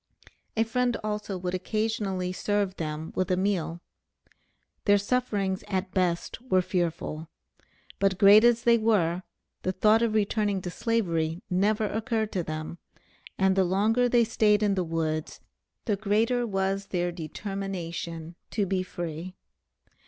A friend also would occasionally serve them with a meal. Their sufferings at best were fearful; but great as they were, the thought of returning to Slavery never occurred to them, and the longer they stayed in the woods, the greater was their determination to be free.